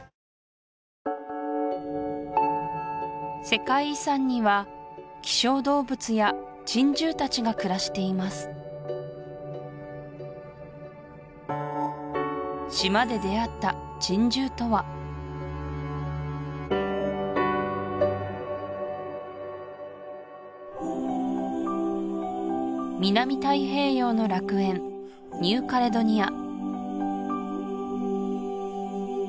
世界遺産には希少動物や珍獣たちが暮らしています島で出会った珍獣とは南太平洋の楽園ニューカレドニア